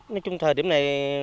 nói chung thời điểm này